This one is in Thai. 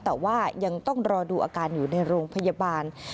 แต่ว่ายังต้องรอดูอาการอยู่ในโรงพยาบาล